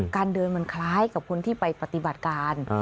การเดินมันคล้ายกับคนที่ไปปฏิบัติการ